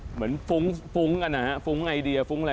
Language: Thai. ฟุ้งฟุ้งกันนะฮะฟุ้งไอเดียฟุ้งอะไร